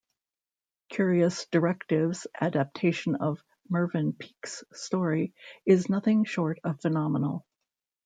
Curious Directive's adaptation of Mervyn Peake's story is nothing short of phenomenal.